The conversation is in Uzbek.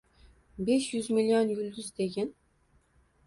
— Besh yuz million yulduz, degin?